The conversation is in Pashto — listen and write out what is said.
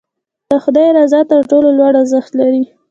د خدای رضا تر ټولو لوړ ارزښت لري.